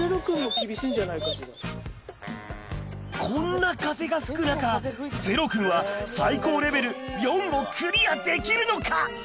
こんな風が吹く中ゼロくんは最高レベル４をクリアできるのか？